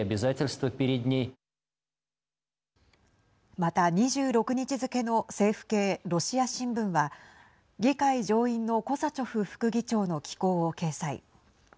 また、２６日付けの政府系ロシア新聞は議会上院のコサチョフ副議長の寄稿を掲載。